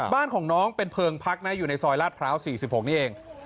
บ้านของน้องเป็นเพลิงพักนะอยู่ในซอยลาดพร้าว๔๖นี่เอง